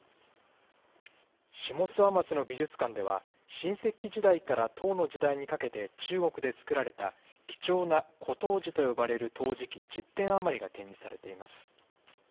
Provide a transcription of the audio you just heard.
下諏訪町の美術館では、新石器時代から唐の時代にかけて中国で作られた貴重な古陶磁と呼ばれる陶磁器１０点余りが展示されています。